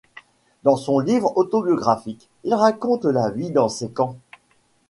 Dans son livre autobiographique il raconte la vie dans ces camps.